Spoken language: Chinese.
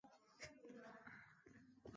曾担任台中市市长。